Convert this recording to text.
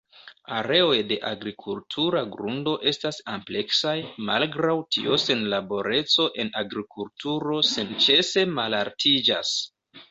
Areoj de agrikultura grundo estas ampleksaj, malgraŭ tio senlaboreco en agrikulturo senĉese malaltiĝas.